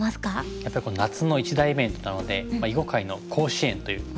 やっぱり夏の一大イベントなので囲碁界の甲子園という感じですかね。